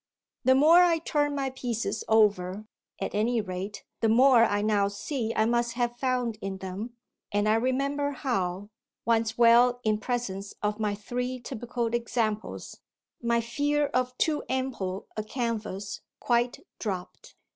The more I turn my pieces over, at any rate, the more I now see I must have found in them, and I remember how, once well in presence of my three typical examples, my fear of too ample a canvas quite dropped.